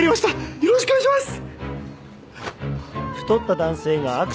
よろしくお願いします。